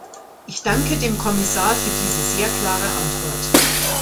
Ich danke dem Kommissar für diese sehr klare Antwort.